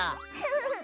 フフフ。